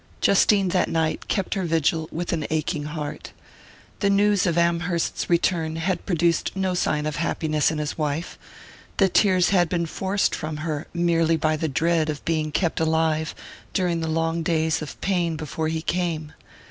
Justine, that night, kept her vigil with an aching heart. The news of Amherst's return had produced no sign of happiness in his wife the tears had been forced from her merely by the dread of being kept alive during the long days of pain before he came.